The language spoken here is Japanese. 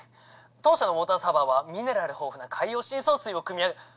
当社のウォーターサーバーはミネラル豊富な海洋深層水をくみ上げ。